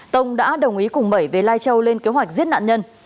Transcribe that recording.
tông đã đồng ý cùng bảy về lai châu lên kế hoạch giết nạn nhân